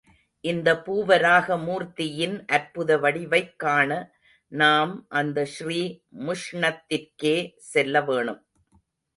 இந்த பூவராக மூர்த்தியின் அற்புத வடிவைக் காண நாம் அந்த ஸ்ரீ முஷ்ணத்திற்கே செல்ல வேணும்.